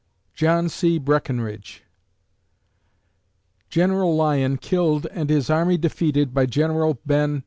JOHN C. BRECKINRIDGE _General Lyon killed and his army defeated by General Ben.